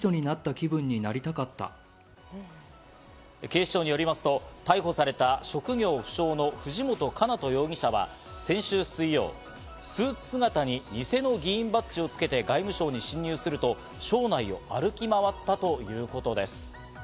警視庁によりますと逮捕された職業不詳の藤本叶人容疑者は、先週水曜、スーツ姿にニセの議員バッジをつけて外務省に侵入すると、省内を歩き回ったということです。